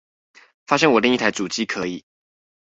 發現我另一台主機可以